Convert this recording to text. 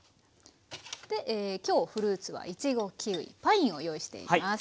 今日フルーツはイチゴキウイパインを用意しています。